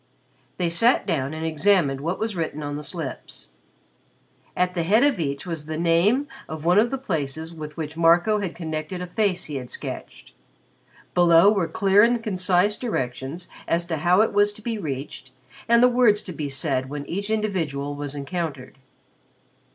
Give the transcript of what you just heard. They sat down and examined what was written on the slips. At the head of each was the name of one of the places with which Marco had connected a face he had sketched. Below were clear and concise directions as to how it was to be reached and the words to be said when each individual was encountered.